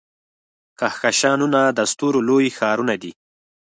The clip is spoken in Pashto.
کهکشانونه د ستورو لوی ښارونه دي.